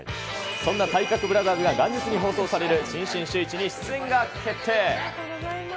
そんな体格ブラザーズが元日に放送される、新春シューイチに出演が決定。